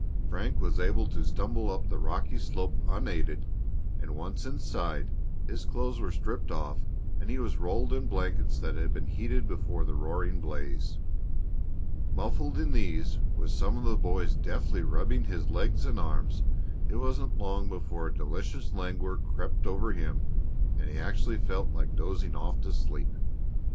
Frank was able to stumble up the rocky slope unaided, and, once inside, his clothes were stripped off and he was rolled in blankets that had been heated before the roaring blaze. Muffled in these, with some of the boys deftly rubbing his legs and arms, it wasn't long before a delicious languor crept over him and he actually felt like dozing off to sleep.